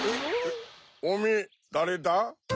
おめぇだれだ？